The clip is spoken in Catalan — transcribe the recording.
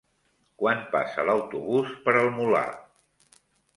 Quan passa l'autobús per el Molar?